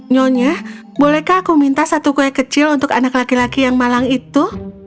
nyonya bolehkah aku minta satu kue kecil untuk anak laki laki yang malang itu